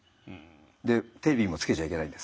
でテレビもつけちゃいけないんです。